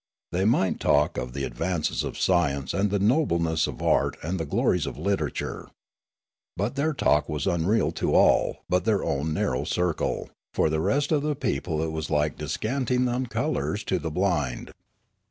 They might talk of the advances of science and the nobleness of art and the glories of literature. But their talk was unreal to all but their own narrow circle ; for the rest of the people it was like descanting on colours to the blind.